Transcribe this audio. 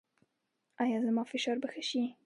ایا زما فشار به ښه شي؟